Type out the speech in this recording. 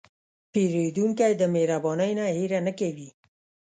پیرودونکی د مهربانۍ نه هېره نه کوي.